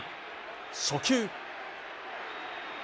初球。